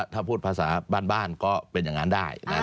ถ้าพูดภาษาบ้านก็เป็นอย่างนั้นได้